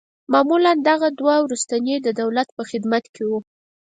معمولاً دغه دوه وروستني د دولت په خدمت کې وه.